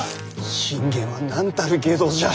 信玄はなんたる外道じゃ。